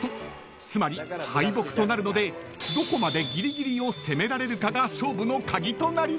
［つまり敗北となるのでどこまでギリギリを攻められるかが勝負の鍵となります］